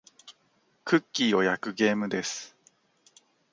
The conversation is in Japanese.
クッキーを焼くゲームです。